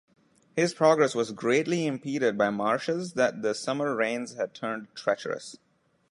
His progress was greatly impeded by marshes that the summer rains had turned treacherous.